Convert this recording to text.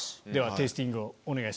テイスティングをお願いします。